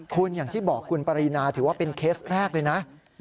คุณอย่างที่บอกคุณปรินาถือว่าเป็นเคสแรกเลยนะ